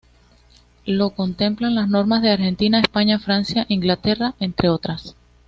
Lo contemplan las normas de Argentina, España, Francia, Inglaterra, entre otras.